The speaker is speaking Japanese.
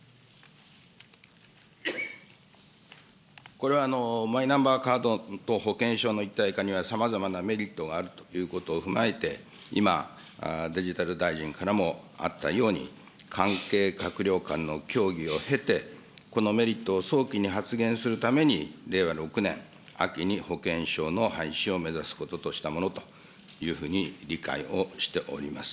これはマイナンバーカードと保険証の一体化には、さまざまなメリットがあるということを踏まえて、今、デジタル大臣からもあったように、関係閣僚間の協議を経て、このメリットを早期に発現するために、令和６年秋に保険証の廃止を目指すこととしたものというふうに理解をしております。